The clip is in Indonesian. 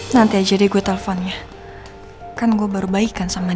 nanti aja deh gue telfonnya kan gue baru baik kan sama nino